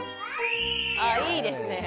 あいいですね。